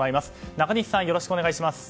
中西さん、よろしくお願いします。